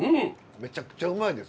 めちゃくちゃうまいです。